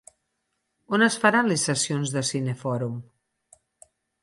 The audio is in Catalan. On es faran les sessions de cinefòrum?